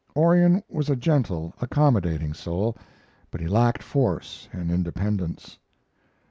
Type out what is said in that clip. Orion was a gentle, accommodating soul, but he lacked force and independence.